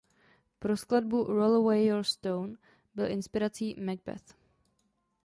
Pro skladbu "Roll Away Your Stone" byl inspirací Macbeth.